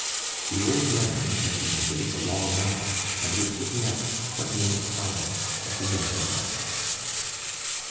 The old man had been awake a long while, and was sitting up whetting the scythes of the younger lads.